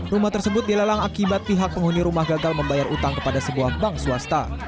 rumah tersebut dilelang akibat pihak penghuni rumah gagal membayar utang kepada sebuah bank swasta